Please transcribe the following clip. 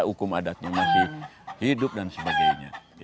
hukum adatnya masih hidup dan sebagainya